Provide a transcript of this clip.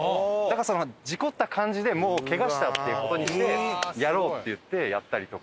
だから事故った感じでもうケガしたっていう事にしてやろうっていってやったりとか。